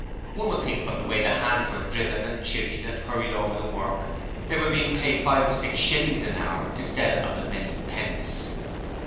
One would think from the way the hands were driven and chivvied and hurried over the work that they were being paid five or six shillings an hour instead of as many pence.